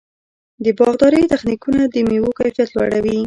د باغدارۍ تخنیکونه د مېوو کیفیت لوړوي.